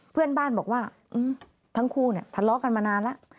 เพื่อนบ้านบอกว่าทั้งคู่เนี่ยทะเลาะกันมานานแล้ว